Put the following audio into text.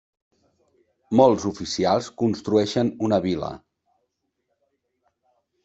Molts oficials construeixen una vil·la.